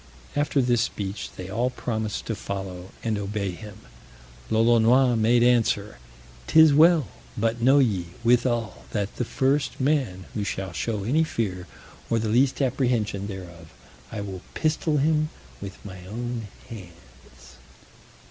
After this speech, they all promised to follow, and obey him. Lolonois made answer, "'Tis well; but know ye, withal, that the first man who shall show any fear, or the least apprehension thereof, I will pistol him with my own hands."